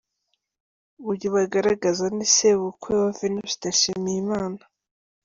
Uyu Bagaragaza ni Se bukwe wa Venuste Nshimiyimana.